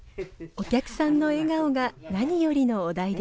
お客さんの笑顔が何よりのお代です。